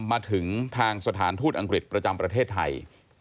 มาถึงทางสถานทูตอังกฤษประจำประเทศไทย